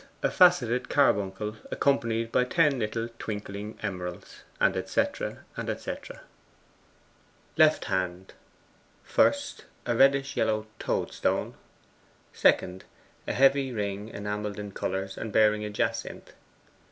A facetted carbuncle accompanied by ten little twinkling emeralds; &c. &c. LEFT HAND. 1st. A reddish yellow toadstone. 2nd. A heavy ring enamelled in colours, and bearing a jacynth.